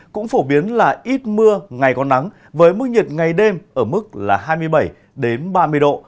cũng phổ biến là ít mưa ngày có nắng với mức nhiệt ngày đêm ở mức là hai mươi bảy ba mươi độ